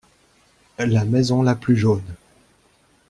La maison la plus jaune.